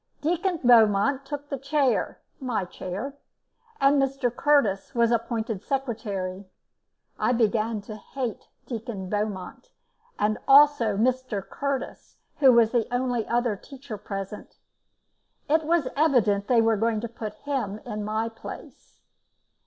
Deacon Beaumont took the chair my chair and Mr Curtis was appointed secretary. I began to hate Deacon Beaumont, as also Mr. Curtis, who was the only other teacher present; it was evident they were going to put him in my place.